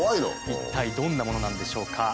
一体どんなものなんでしょうか？